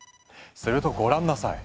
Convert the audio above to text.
するとご覧なさい。